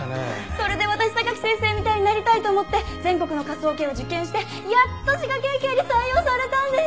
それで私榊先生みたいになりたいと思って全国の科捜研を受験してやっと滋賀県警に採用されたんです！